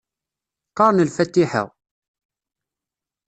Qqaren lfatiḥa.